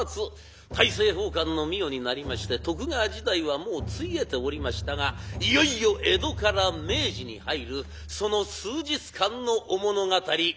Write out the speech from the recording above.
大政奉還の御世になりまして徳川時代はもうついえておりましたがいよいよ江戸から明治に入るその数日間のお物語。